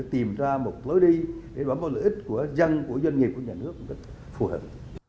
tìm ra một lối đi để bấm vào lợi ích của dân doanh nghiệp của nhà nước phù hợp